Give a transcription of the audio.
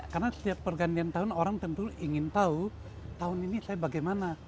karena setiap pergantian tahun orang tentu ingin tahu tahun ini saya bagaimana